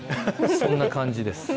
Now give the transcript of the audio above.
そんな感じです。